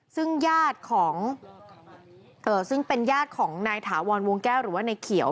ซึ่งญาติของซึ่งเป็นญาติของนายถาวรวงแก้วหรือว่าในเขียว